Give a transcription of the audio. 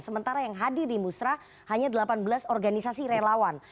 sementara yang hadir di musrah hanya delapan belas organisasi relawan